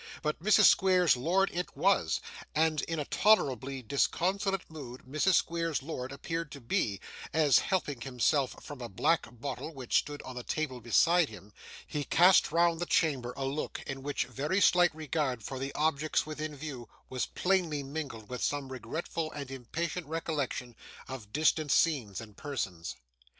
But Mrs. Squeers's lord it was; and in a tolerably disconsolate mood Mrs. Squeers's lord appeared to be, as, helping himself from a black bottle which stood on the table beside him, he cast round the chamber a look, in which very slight regard for the objects within view was plainly mingled with some regretful and impatient recollection of distant scenes and persons.